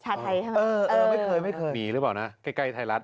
ไทยใช่ไหมเออเออไม่เคยไม่เคยมีหรือเปล่านะใกล้ใกล้ไทยรัฐ